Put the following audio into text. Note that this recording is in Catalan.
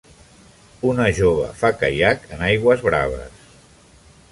Una jove fa caiac en aigües blaves.